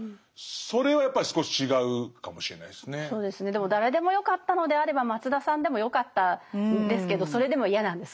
でも誰でもよかったのであれば松田さんでもよかったんですけどそれでも嫌なんですね。